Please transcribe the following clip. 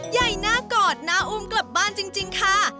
ใหญ่หน้ากอดหน้าอุ้มกลับบ้านจริงค่ะ